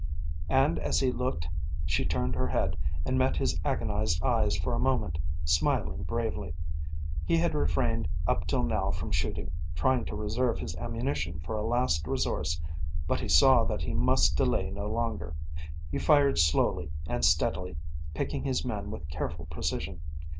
And as he looked she turned her head, and met his agonised eyes for a moment, smiling bravely. He had refrained up till now from shooting, trying to reserve his ammunition for a last resource, but he saw that he must delay no longer. He fired slowly and steadily, picking his men with careful precision.